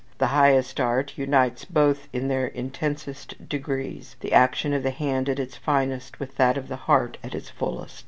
] The highest art unites both in their intensest degrees: the action of the hand at its finest, with that of the heart at its fullest.